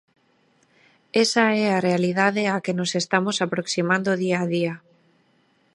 Esa é a realidade á que nos estamos aproximando día a día.